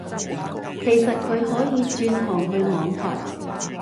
其實佢可以轉行去網台